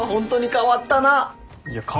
変わったよ。